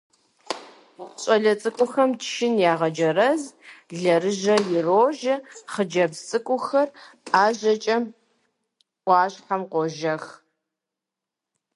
ЩӀалэ цӀыкӀухэм чын ягъэджэрэз, лъэрыжэ ирожэ, хъыджэбз цӀыкӀухэр ӀэжьэкӀэ Ӏуащхьэм къожэх.